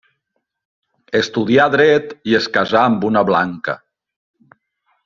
Estudià dret i es casà amb una blanca.